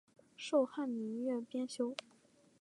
授翰林院编修。